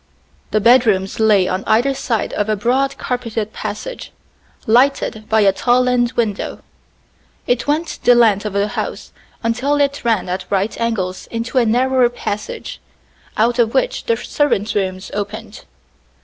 The bedrooms lay on either side of a broad carpeted passage, lighted by a tall end window. It went the length of the house until it ran at right angles into a narrower passage, out of which the servants' rooms opened.